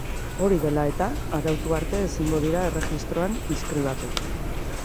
Hori dela eta, arautu arte ezingo dira erregistroan inskribatu.